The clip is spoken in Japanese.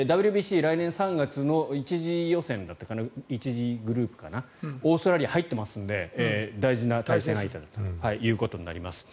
ＷＢＣ、来年３月の１次予選、１次グループにオーストラリア入ってますんで大事な対戦相手となります。